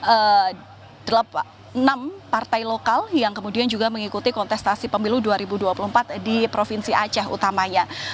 jadi ada enam partai lokal yang kemudian juga mengikuti kontestasi pemilu dua ribu dua puluh empat di provinsi aceh utamanya